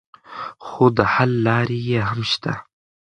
خو د حل لارې یې هم شته.